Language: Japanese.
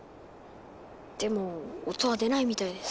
でも音は出ないみたいです。